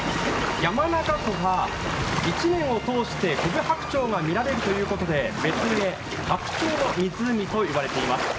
山中湖は１年を通してコブハクチョウが見られるため別名、白鳥の湖と呼ばれています。